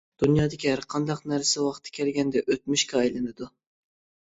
دۇنيادىكى ھەر قانداق نەرسە ۋاقتى كەلگەندە ئۆتمۈشكە ئايلىنىدۇ.